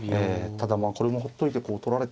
ただまあこれもほっといてこう取られて。